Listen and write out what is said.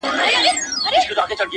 ورځ تیاره سوه توري وریځي سوې څرګندي.!